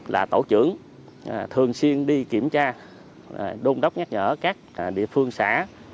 là tổ trưởng thường xuyên đi kiểm tra đôn đốc nhắc nhở các địa phương xã